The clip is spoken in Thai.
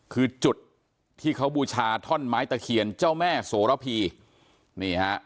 คือจุดที่เขาบูชาท่อนไม้ตะเคียนเจ้าแม่โสระพีนี่ฮะ